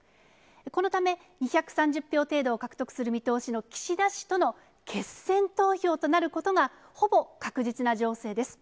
このため、２３０票程度を獲得する見通しの岸田氏との決選投票となることが、ほぼ確実な情勢です。